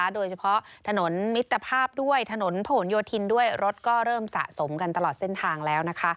โดยเฉพาะถนนมิตรภาพด้วยถนนผนโยธินด้วยรถก็เริ่มสะสมกันตลอดเส้นทางแล้ว